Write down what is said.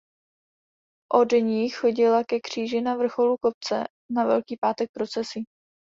Od ní chodila ke kříži na vrcholu kopce na Velký Pátek procesí.